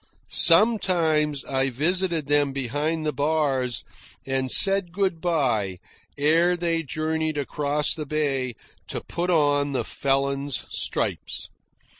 Sometimes I visited them behind the bars and said good bye ere they journeyed across the bay to put on the felon's stripes.